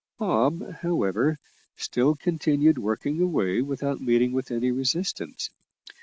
Bob, however, still continued working away without meeting with any resistance.